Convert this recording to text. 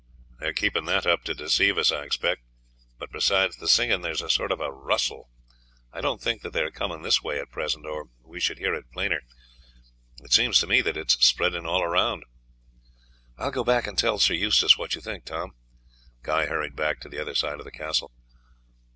"They are keeping that up to deceive us, I expect. But besides the singing there is a sort of rustle. I don't think that they are coming this way at present, or we should hear it plainer. It seems to me that it is spreading all round." "I will go back and tell Sir Eustace what you think, Tom." Guy hurried back to the other side of the castle.